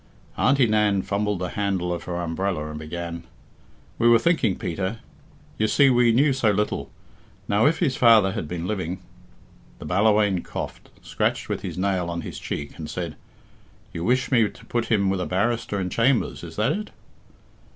Auntie Nan fumbled the handle of her umbrella and began "We were thinking, Peter you see we know so little now if his father had been living " The Ballawhaine coughed, scratched with his nail on his cheek, and said, "You wish me to put him with a barrister in chambers, is that it?"